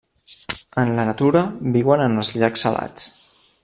En la natura viuen en els llacs salats.